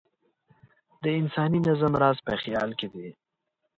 د انساني نظم راز په خیال کې دی.